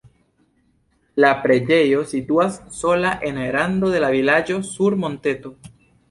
La preĝejo situas sola en rando de la vilaĝo sur monteto.